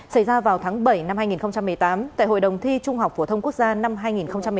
xảy ra vào tháng bảy năm hai nghìn một mươi tám tại hội đồng thi trung học phổ thông quốc gia năm hai nghìn một mươi tám